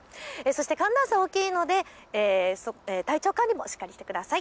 寒暖差が大きいので体調管理もしっかりしてください。